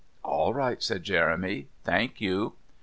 "All right," said Jeremy; "thank you."